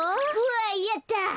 わいやった！